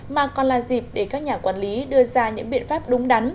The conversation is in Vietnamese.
mà còn là dịp để các nhà quản lý đưa ra những biện pháp đúng đắn